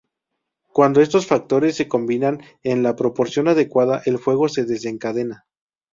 Cuando estos factores se combinan en la proporción adecuada, el fuego se desencadena.